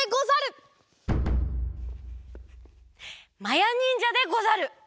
まやにんじゃでござる！